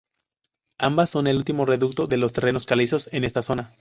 Ambas son el último reducto de los terrenos calizos en esta zona.